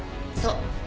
そう。